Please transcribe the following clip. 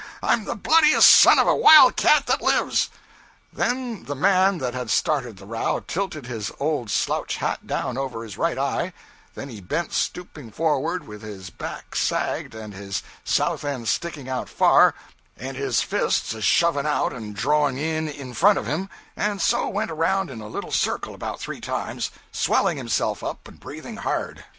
I'm the bloodiest son of a wildcat that lives!' Then the man that had started the row tilted his old slouch hat down over his right eye; then he bent stooping forward, with his back sagged and his south end sticking out far, and his fists a shoving out and drawing in in front of him, and so went around in a little circle about three times, swelling himself up and breathing hard.